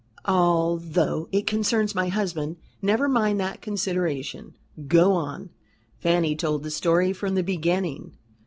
"Although it concerns my husband. Never mind that consideration go on." Fanny told the story from the beginning.